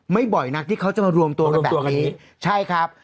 ไม่บ่อยนักที่เขาจะมารวมตัวกันแบบนี้รวมตัวกันนี้ใช่ครับ